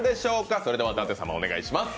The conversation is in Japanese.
それでは、舘様お願いします。